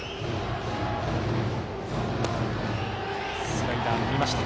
スライダーを見ました。